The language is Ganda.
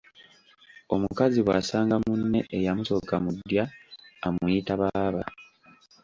Omukazi bw’asanga munne eyamusooka mu ddya amuyita Baaba.